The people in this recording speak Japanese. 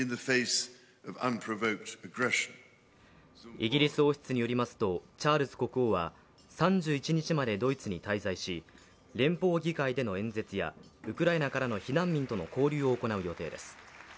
イギリス王室によりますとチャールズ国王は３１日までドイツに滞在し連邦議会での演説やウクライナからの避難民との交流を行う予定です。